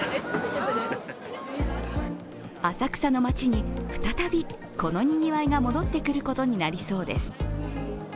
浅草の街に再びこのにぎわいが戻ってくることになりそうです。